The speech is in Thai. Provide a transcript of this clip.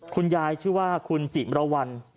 คุณยายชื่อว่าคุณจิมรวรรณ